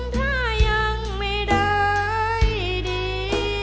ถ้ายังไม่ได้ดี